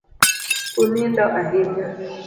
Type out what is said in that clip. Unindo ahinya